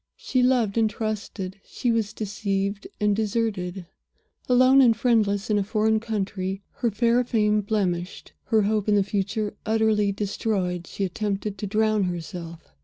She loved and trusted; she was deceived and deserted. Alone and friendless in a foreign country; her fair fame blemished; her hope in the future utterly destroyed, she attempted to drown herself.